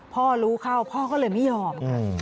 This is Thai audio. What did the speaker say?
พ่อรู้เข้าพ่อก็เลยไม่ยอมค่ะ